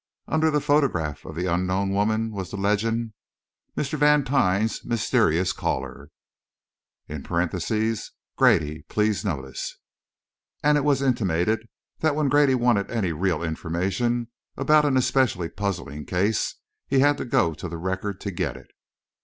Under the photograph of the unknown woman was the legend: MR. VANTINE'S MYSTERIOUS CALLER (Grady Please Notice) And it was intimated that when Grady wanted any real information about an especially puzzling case, he had to go to the Record to get it.